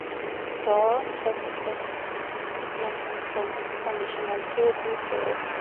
Dorr served as its superintendent from its foundation until his death.